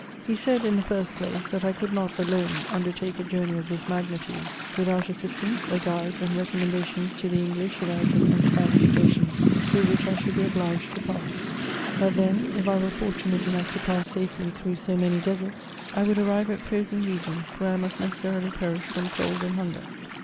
He said, in the first place, that I could not, alone, undertake a journey of this magnitude, without assist ance, a guide, and recommendations to the English, American, and Spanish stations, through which I should be obliged to pass ; that tneo, if I were fortunate enough to pass safely through so many deserts, I would arrive at frozen regions, where I must necessarily perish from cold and hunger.